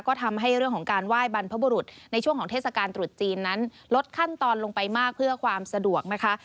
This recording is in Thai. ก็ทำให้เรื่องของการไหว้บรรพบุรุษในช่วงของเทศกาลตรุษจีนนั้นลดขั้นตอนลงไปมากเพื่อความสะดวกนะคะ